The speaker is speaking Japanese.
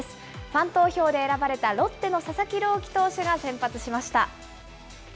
ファン投票で選ばれたロッテの佐々木朗希投手が先発しました。